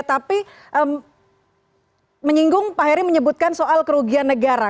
tapi menyinggung pak heri menyebutkan soal kerugian negara